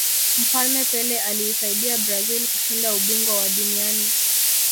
mfalme pele aliisaidia brazil kushinda ubingwa wa duniani